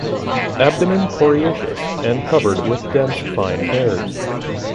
Abdomen coriaceous and covered with dense fine hairs.